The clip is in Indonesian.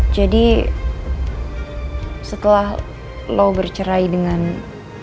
jadi setelah lo bercerai dengan mbak andin